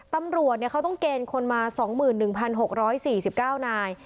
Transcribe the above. ตำรวจเขาต้องเกณฑ์คนมา๒๑๖๔๙นาย